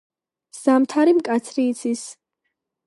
ზამთარი მკაცრი იცის.